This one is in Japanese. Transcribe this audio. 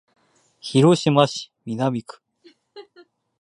広島市南区